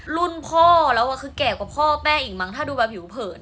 รุนพ่อแล้วเพิ่งแกกว่าพ่อแป๊กอีกมากถ้าดูภื่อเพิน